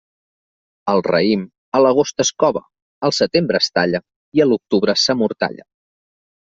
El raïm, a l'agost es cova, al setembre es talla i a l'octubre s'amortalla.